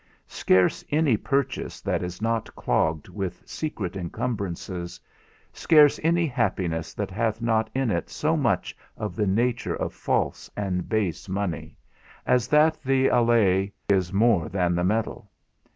Scarce any purchase that is not clogged with secret incumbrances; scarce any happiness that hath not in it so much of the nature of false and base money, as that the allay is more than the metal.